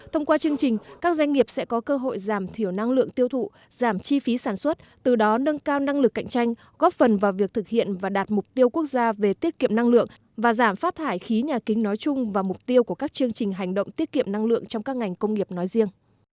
thông qua chương trình các doanh nghiệp sẽ có cơ hội giảm thiểu năng lượng tiêu thụ giảm chi phí sản xuất từ đó nâng cao năng lực cạnh tranh góp phần vào việc thực hiện và đạt mục tiêu quốc gia về tiết kiệm năng lượng và giảm phát thải khí nhà kính nói chung và mục tiêu của các chương trình hành động tiết kiệm năng lượng trong các ngành công nghiệp nói riêng